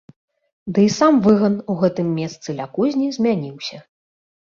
Ды і сам выган у гэтым месцы ля кузні змяніўся.